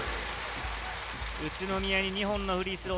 宇都宮に２本のフリースロー。